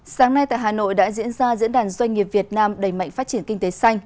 sáng nay tại hà nội đã diễn ra diễn đàn doanh nghiệp việt nam đầy mạnh phát triển kinh tế xanh